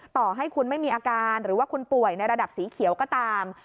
ต่อให้คุณไม่มีอาการหรือว่าคุณป่วยในระดับสีเขียวก็ตาม